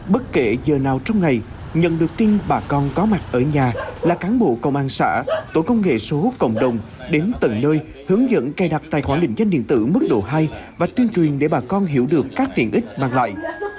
bất kể giờ nào trong ngày nhận được tin bà con có mặt ở nhà là cán bộ công an xã tổ công nghệ số cộng đồng đến tận nơi hướng dẫn cài đặt tài khoản định danh điện tử mức độ hai và tuyên truyền để bà con hiểu được các tiện ích mang lại